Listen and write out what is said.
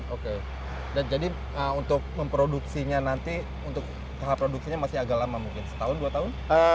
oke dan jadi untuk memproduksinya nanti untuk tahap produksinya masih agak lama mungkin setahun dua tahun